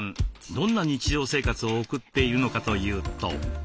どんな日常生活を送っているのかというと。